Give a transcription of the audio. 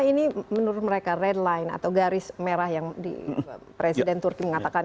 ini menurut mereka redline atau garis merah yang presiden turki mengatakan